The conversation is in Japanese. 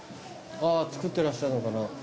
あぁ作ってらっしゃるのかな？